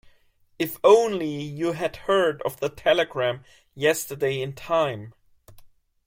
If only you had heard of the telegram yesterday in time!